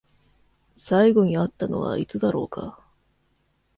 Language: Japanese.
最後に会ったのはいつだろうか？